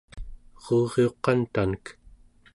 eruriuq qantanek